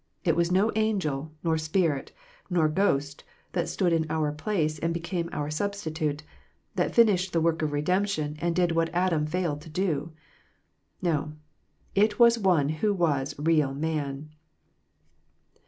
It was no angel, nor spirit, nor ghost, that stood in our place and became our Substitute, that finished the work of redemption, and did what Adam failed to do. Xo : it was One who was real man